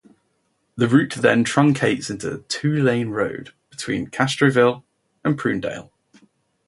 The route then truncates into a two-lane road between Castroville and Prunedale.